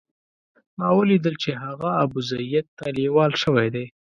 ما ولیدل چې هغه ابوزید ته لېوال شوی دی.